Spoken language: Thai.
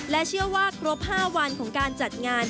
และเชื่อว่าครบ๕วันของการจัดงาน